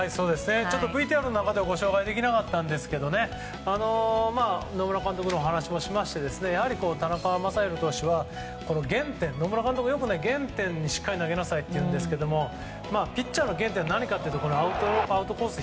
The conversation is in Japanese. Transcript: ちょっとＶＴＲの中ではご紹介できなかったんですが野村監督のお話もしましてやはり田中将大投手は野村監督も、原点にしっかり投げなさいって言うんですけどピッチャーの原点って何かってところは、やっぱりアウトコース